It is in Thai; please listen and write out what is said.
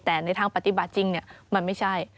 แต่ในทางปฏิบัติจริงมันไม่ใช่